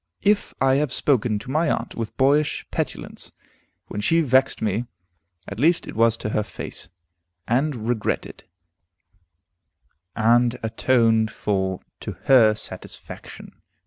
If I have spoken to my aunt with boyish petulance when she vexed me, at least it was to her face, and regretted and atoned for to her satisfaction.